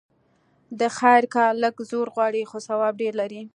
د خير کار لږ زور غواړي؛ خو ثواب ډېر لري.